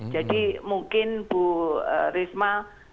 jadi mungkin bu risma